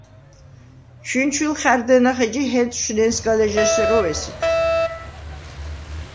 ჩვინჩვილ ხა̈რდენახ, ეჯი ჰენწშვ ნენსგალეჟ’ესეროვ ესიგხ.